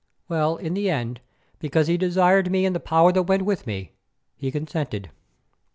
Well, in the end, because he desired me and the power that went with me, he consented.